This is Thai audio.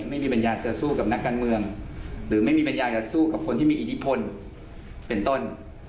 ไม่มีปัญญาจะสู้กับนักการเมืองหรือไม่มีปัญญาจะสู้กับคนที่มีอิทธิพลเป็นต้น